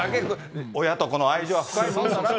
親と子の愛情は深いというものだと。